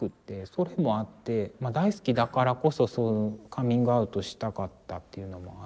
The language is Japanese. それもあって大好きだからこそカミングアウトしたかったっていうのもありました。